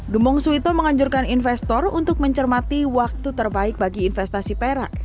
gembong suito menganjurkan investor untuk mencermati waktu terbaik bagi investasi perak